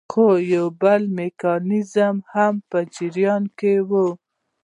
خو یو بل میکانیزم هم په جریان کې وو.